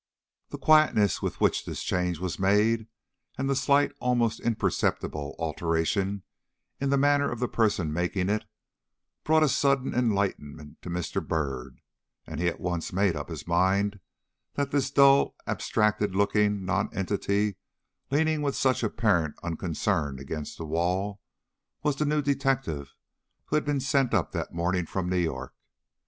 The quietness with which this change was made, and the slight, almost imperceptible, alteration in the manner of the person making it, brought a sudden enlightenment to Mr. Byrd, and he at once made up his mind that this dull, abstracted looking nonentity leaning with such apparent unconcern against the wall, was the new detective who had been sent up that morning from New York.